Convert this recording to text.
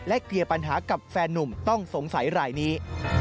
เคลียร์ปัญหากับแฟนนุ่มต้องสงสัยรายนี้